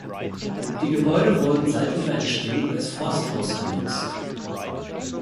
Die Gebäude wurden seit ihrer Entstehung als Forsthaus genutzt.